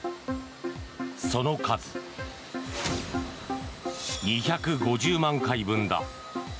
その数、２５０万回分だ。